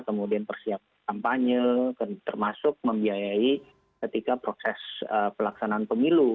kemudian persiapan kampanye termasuk membiayai ketika proses pelaksanaan pemilu